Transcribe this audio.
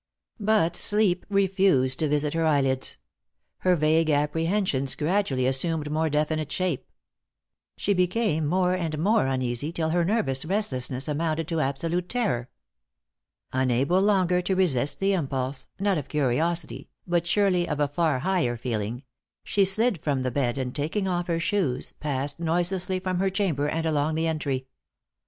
But sleep refused to visit her eyelids. Her vague apprehensions gradually assumed more definite shape. She became more and more uneasy, till her nervous restlessness amounted to absolute terror. Unable longer to resist the impulse not of curiosity, but surely of a far higher feeling she slid from the bed, and taking off her shoes, passed noiselessly from her chamber and along the entry.